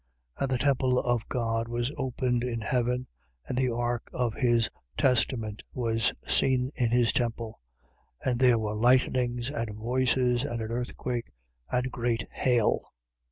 11:19. And the temple of God was opened in heaven: and the ark of his testament was seen in his temple. And there were lightnings and voices and an earthquake and great hail.